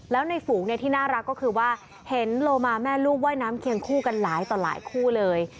แล้วในฝูงที่น่ารักก็คือว่าเห็นโลมาแม่ลูกว่ายน้ำเคียงคู่กันหลายต่อหลายคู่เลย